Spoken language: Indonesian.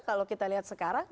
kalau kita lihat sekarang